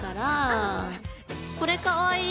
うん。これかわいい！